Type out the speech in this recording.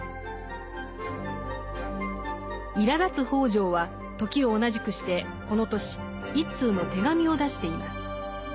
いらだつ北條は時を同じくしてこの年一通の手紙を出しています。